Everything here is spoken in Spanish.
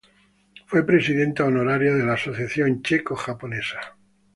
Fue Presidenta Honoraria de la Asociación Checo-Japonesa.